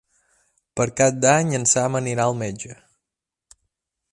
Per Cap d'Any en Sam anirà al metge.